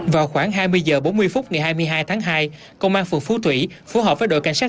vào khoảng hai mươi h bốn mươi phút ngày hai mươi hai tháng hai công an phường phú thủy phù hợp với đội cảnh sát